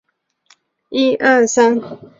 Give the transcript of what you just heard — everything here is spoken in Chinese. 长喙毛茛泽泻为泽泻科毛茛泽泻属的植物。